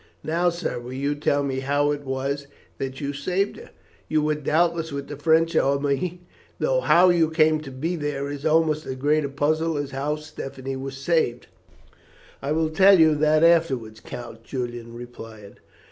Now, sir, will you tell me how it was that you saved her? You were doubtless with the French army, though how you came to be there is almost as great a puzzle as how Stephanie was saved." "I will tell you that afterwards, Count," Julian replied.